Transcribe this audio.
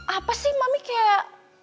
apa sih mami kayak